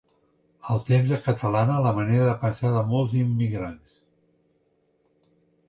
El temps acatalana la manera de pensar de molts immigrants.